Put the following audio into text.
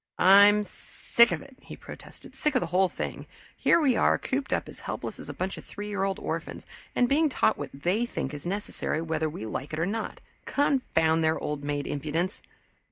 "I'm sick of it!" he protested. "Sick of the whole thing. Here we are cooped up as helpless as a bunch of three year old orphans, and being taught what they think is necessary whether we like it or not. Confound their old maid impudence!"